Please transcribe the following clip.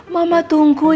mama tunggu yuk